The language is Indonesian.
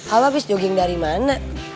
allah habis jogging dari mana